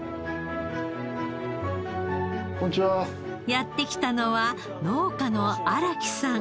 やって来たのは農家の荒木さん。